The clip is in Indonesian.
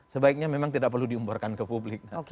sebaiknya memang tidak perlu diumbarkan ke publik